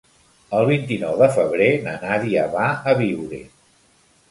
El vint-i-nou de febrer na Nàdia va a Biure.